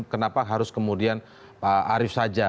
kenapa harus kemudian pak arief saja